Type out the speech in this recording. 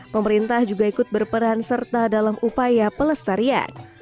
pemerintah juga ikut berperan serta dalam upaya pelestarian